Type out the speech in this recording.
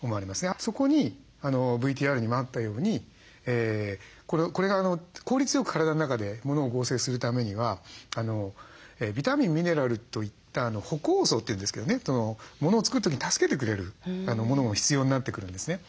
そこにＶＴＲにもあったようにこれが効率よく体の中でものを合成するためにはビタミンミネラルといった補酵素というんですけどねものを作る時に助けてくれるものも必要になってくるんですね。